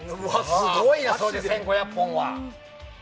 すごいなそれで１５００本は！